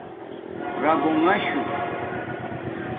رابنݣ شو